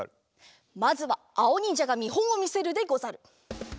まずはあおにんじゃがみほんをみせるでござる。